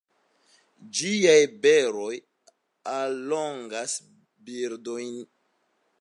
Ĝiaj beroj allogas birdojn.